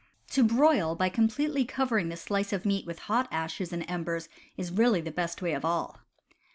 To broil by completely covering the slice of meat with hot ashes and embers is really the best way of all.